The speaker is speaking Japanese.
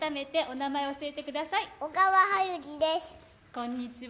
こんにちは。